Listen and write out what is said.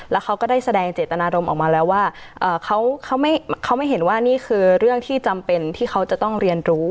แล้วเขาก็ได้แสดงเจตนารมณ์ออกมาแล้วว่าเขาไม่เห็นว่านี่คือเรื่องที่จำเป็นที่เขาจะต้องเรียนรู้